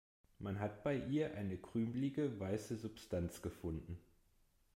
Man hat bei ihr eine krümelige, weiße Substanz gefunden.